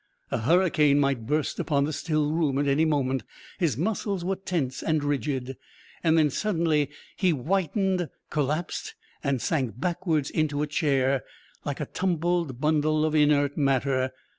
A hurricane might burst upon the still room any moment. His muscles were tense and rigid. Then, suddenly, he whitened, collapsed, and sank backwards into a chair, like a tumbled bundle of inert matter.